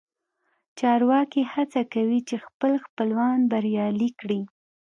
چارواکي هڅه کوي چې خپل خپلوان بریالي کړي